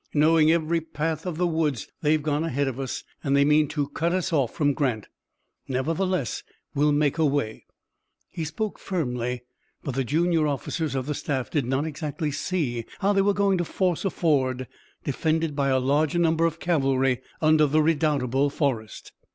"Knowing every path of the woods, they've gone ahead of us, and they mean to cut us off from Grant. Nevertheless we'll make a way." He spoke firmly, but the junior officers of the staff did not exactly see how they were going to force a ford defended by a larger number of cavalry under the redoubtable Forrest.